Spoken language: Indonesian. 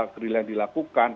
gerilya yang dilakukan